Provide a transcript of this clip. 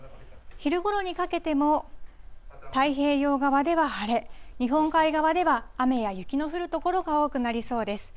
昼ごろにかけても、太平洋側では晴れ、日本海側では雨や雪の降る所が多くなりそうです。